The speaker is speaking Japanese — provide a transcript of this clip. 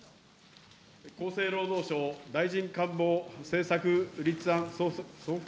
厚生労働省、大臣官房政策立案総括